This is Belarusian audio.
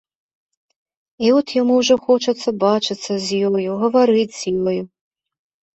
І от яму ўжо хочацца бачыцца з ёю, гаварыць з ёю.